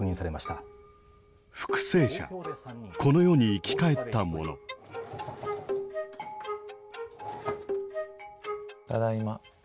ただいま。